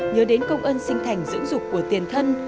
nhớ đến công ơn sinh thành dưỡng dục của tiền thân